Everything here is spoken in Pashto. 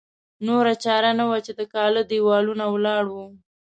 نوره چاره نه وه چې د کاله دېوالونه ولاړ وو.